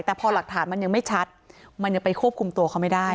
แต่พอหลักฐานมันยังไม่ชัดมันยังไปควบคุมตัวเขาไม่ได้